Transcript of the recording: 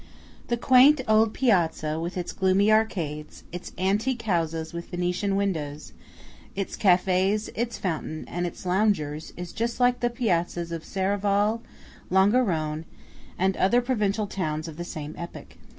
The quaint old piazza with its gloomy arcades, its antique houses with Venetian windows, its cafés, its fountain, and its loungers, is just like the piazzas of Serravalle, Longarone, and other provincial towns of the same epoch.